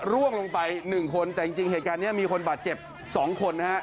ร่วงลงไป๑คนแต่จริงเหตุการณ์นี้มีคนบาดเจ็บ๒คนนะฮะ